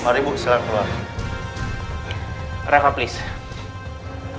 mari ibu silahkan keluar reva please